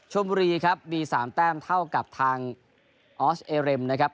ชมบุรีครับมี๓แต้มเท่ากับทางออสเอเรมนะครับ